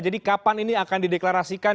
jadi kapan ini akan di deklarasikan